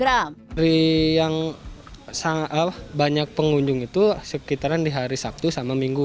dari yang banyak pengunjung itu sekitaran di hari sabtu sama minggu